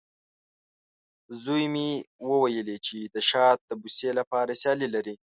زوی مې وویلې، چې د شات د بوسې لپاره سیالي لري.